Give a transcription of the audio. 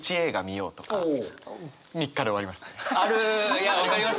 いや分かります